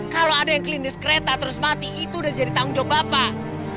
kalau ada yang klinis kereta terus mati itu udah jadi tanggung jawab bapak